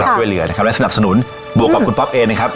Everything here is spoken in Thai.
ช่วยเหลือนะครับและสนับสนุนบวกกับคุณป๊อปเองนะครับ